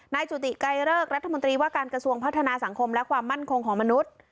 จุติไกรเลิกรัฐมนตรีว่าการกระทรวงพัฒนาสังคมและความมั่นคงของมนุษย์